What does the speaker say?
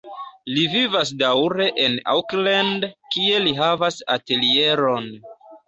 Li vivas daŭre en Auckland, kie li havas atelieron.